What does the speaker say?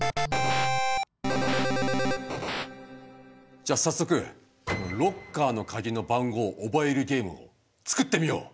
じゃあ早速ロッカーのカギの番号を覚えるゲームを創ってみよう。